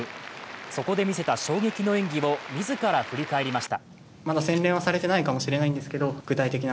そこで見せた衝撃の演技を自ら振り返りました。